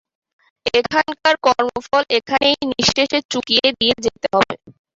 এখানকার কর্মফল এখানেই নিঃশেষে চুকিয়ে দিয়ে যেতে হবে।